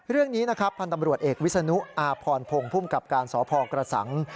เรื่องนี้นะครับพันธ์ตำรวจเอกวิศนุอาพรพงศ์ภูมิกับการสพกระสัง